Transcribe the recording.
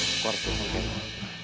aku harus tanya reno